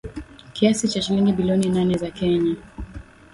Kiasi cha shilingi bilioni nane za Kenya